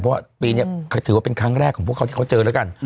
เพราะว่าปีนี้ถือว่าเป็นครั้งแรกของพวกเขาที่เขาเจอแล้วกัน